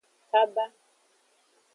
Kaba.